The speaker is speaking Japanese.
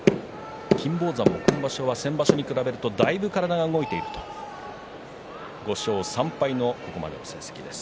金峰山も、今場所は先場所に比べてだいぶ体が動いていると５勝３敗のここまでの成績です。